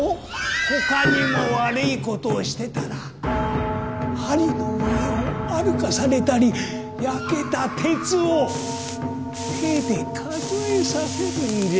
他にも悪いことをしてたら針の上を歩かされたり焼けた鉄を手で数えさせるんじゃ。